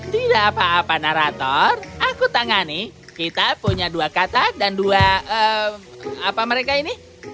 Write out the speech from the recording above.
tidak apa apa narator aku tangani kita punya dua kata dan dua apa mereka ini